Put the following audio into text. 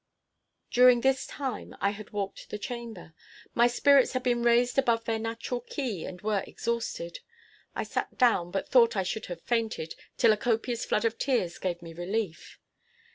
During this time, I had walked the chamber. My spirits had been raised above their natural key, and were exhausted. I sat down, but thought I should have fainted, till a copious flood of tears gave me relief.